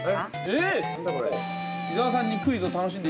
◆えっ！？